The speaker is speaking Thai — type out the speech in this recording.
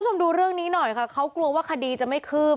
คุณผู้ชมดูเรื่องนี้หน่อยค่ะเขากลัวว่าคดีจะไม่คืบ